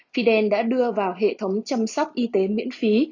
fidel đã đưa vào hệ thống chăm sóc y tế miễn phí